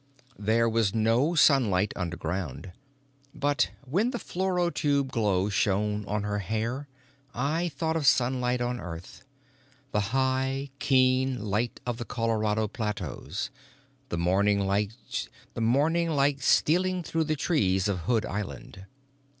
There was no sunlight underground. But when the fluorotube glow shone on her hair, I thought of sunlight on Earth, the high keen light of the Colorado plateaus, the morning light stealing through the trees of Hood Island.